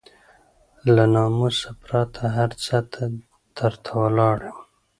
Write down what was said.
له ناموسه پرته هر څه ته درته ولاړ يم.